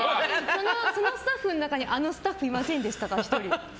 そのスタッフの中にあのスタッフいませんでしたか？